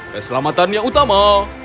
keselamatan yang utama